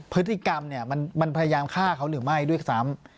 พฤติกรรมเนี่ยมันพยายามฆ่าเขาหรือไม่ด้วยซ้ำ